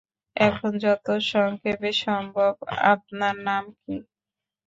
এখন, যত সংক্ষেপে সম্ভব, আপনার নাম কী?